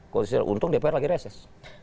kalau misalnya untung dpr lagi reses